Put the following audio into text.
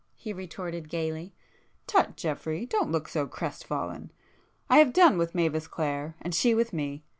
he retorted gaily—"Tut Geoffrey!—don't look so crestfallen. I have done with Mavis Clare, and she with me.